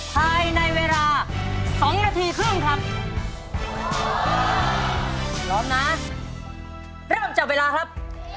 ภายในเวลาสองนาทีครึ่งครับเตรียมน้ำเวลาครับ